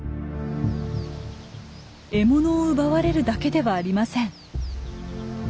獲物を奪われるだけではありません。